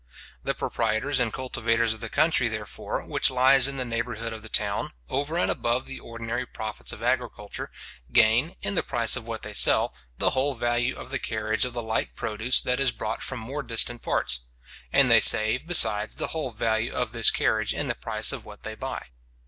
The proprietors and cultivators of the country, therefore, which lies in the neighbourhood of the town, over and above the ordinary profits of agriculture, gain, in the price of what they sell, the whole value of the carriage of the like produce that is brought from more distant parts; and they save, besides, the whole value of this carriage in the price of what they buy.